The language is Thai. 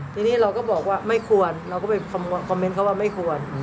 ทีนี้เราก็บอกว่าไม่ควรเราก็ไปคอมเมนต์เขาว่าไม่ควร